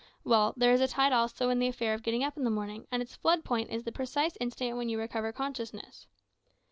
Well, there is a tide also in the affair of getting up in the morning, and its flood point is the precise instant when you recover consciousness.